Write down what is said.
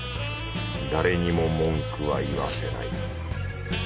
誰にも文句は言わせない。